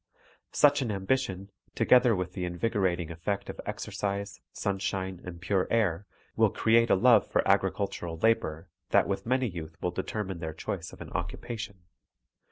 Such an ambition, together with the invigora ting effect of exercise, sunshine, and pure air, will create a love for agricultural labor that with many youth will determine their choice of an occupation.